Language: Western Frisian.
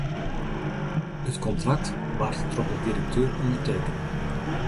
It kontrakt waard troch de direkteur ûndertekene.